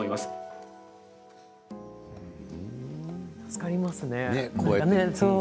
助かりますね。